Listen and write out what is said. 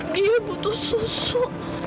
dia butuh susu